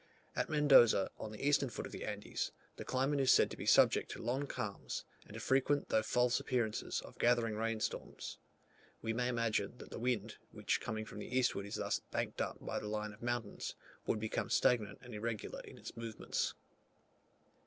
At Mendoza, on the eastern foot of the Andes, the climate is said to be subject to long calms, and to frequent though false appearances of gathering rain storms: we may imagine that the wind, which coming from the eastward is thus banked up by the line of mountains, would become stagnant and irregular in its movements.